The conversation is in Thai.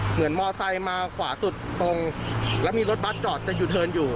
เหมือนมอเซ้มาขวาสุดตรงแล้วมีรถบัตรจอดจะยูเทิร์นอยู่